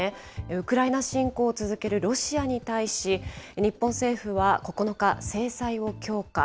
ウクライナ侵攻を続けるロシアに対し、日本政府は９日、制裁を強化。